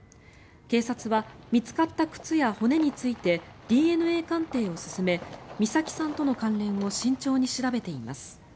警察は見つかった靴や骨についてＤＮＡ鑑定を進め美咲さんとの関連を慎重に調べています。